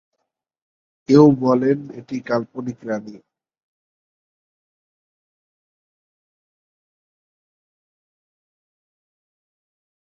কেউ কেউ বলেন এটি কাল্পনিক রানী।